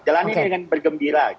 jalannya dengan bergembira